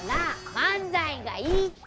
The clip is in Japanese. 漫才がいいって！